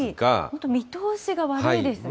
本当、見通しが悪いですね。